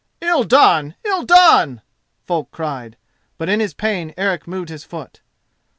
"Ill done! ill done!" folk cried; but in his pain Eric moved his foot.